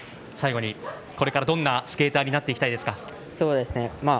最後にこれからどんなスケーターになっていきたいですか？